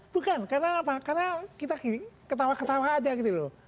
bukan karena apa karena kita ketawa ketawa aja gitu loh